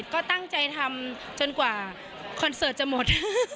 ก็ตั้งใจทำจนกว่าคอนเสิร์ตจะหมด